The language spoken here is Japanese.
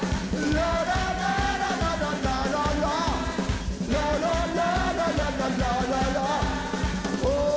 ラララララララララ！